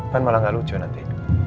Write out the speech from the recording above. kan malah gak lucu nanti